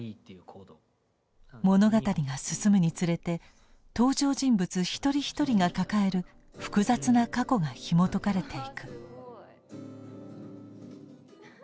物語が進むにつれて登場人物ひとりひとりが抱える複雑な過去がひもとかれていく。